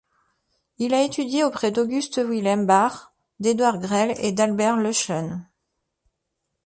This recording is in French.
Il a étudié auprès d'August Wilhelm Bach, d'Eduard Grell et d'Albert Löschhorn.